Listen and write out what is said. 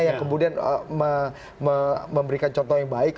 yang kemudian memberikan contoh yang baik